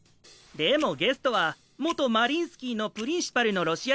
でもゲストは元マリインスキーのプリンシパルのロシア人で。